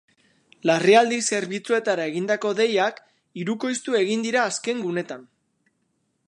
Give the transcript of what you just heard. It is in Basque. Larrialdi zerbitzuetara egindako deiak hirukoiztu egin dira azken gunetan.